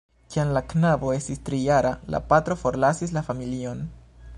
Kiam la knabo estis tri-jara, la patro forlasis la familion.